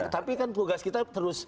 tapi kan tugas kita terus